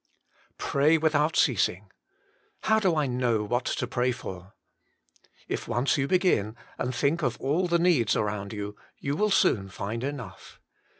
Pray without Ceasing. How do I know what to pray for? If once you begin, and think of all the needs around you, you will soon find enough.